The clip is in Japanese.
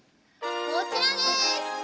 こちらです！